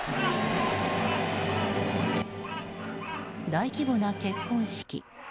大規模な結婚式。